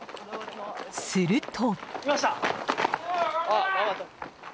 すると。